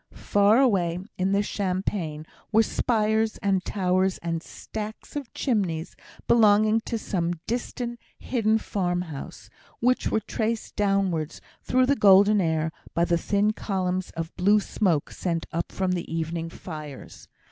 Far away in the champaign were spires, and towers, and stacks of chimneys belonging to some distant hidden farm house, which were traced downwards through the golden air by the thin columns of blue smoke sent up from the evening fires.